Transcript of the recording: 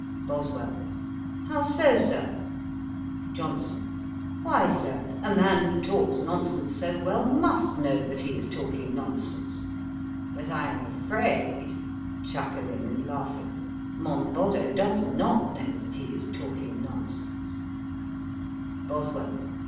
BOSWELL. 'How so, Sir?' JOHNSON. 'Why, Sir, a man who talks nonsense so well, must know that he is talking nonsense. But I am afraid, (chuckling and laughing,) Monboddo does not know that he is talking nonsense.' BOSWELL.